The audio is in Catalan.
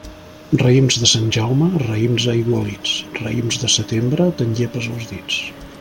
Raïms de Sant Jaume, raïms aigualits; raïms de setembre, te'n llepes els dits.